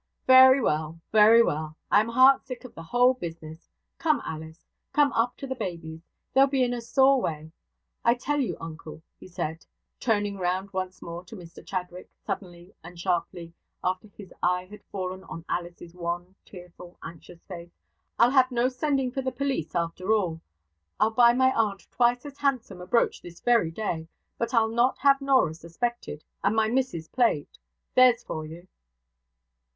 'Very well, very well! I am heart sick of the whole business. Come, Alice, come up to the babies; they'll be in a sore way. I tell you, uncle,' he said, turning round once more to Mr Chadwick, suddenly and sharply, after his eye had fallen on Alice's wan, tearful, anxious face, 'I'll have no sending for the police, after all. I'll buy my aunt twice as handsome a brooch this very day; but I'll not have Norah suspected, and my missus plagued. There's for you!'